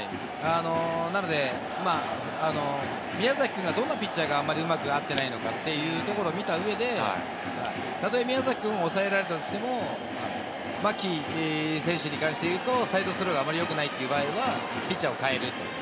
なので、宮崎くんがどんなピッチャーがあんまりうまく合ってないのかを見たところで、たとえ宮崎くんを抑えられたとしても、牧選手に関して言うと、サイドスローがあまりよくないという場合にはピッチャーを代える。